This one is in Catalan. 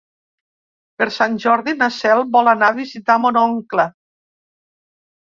Per Sant Jordi na Cel vol anar a visitar mon oncle.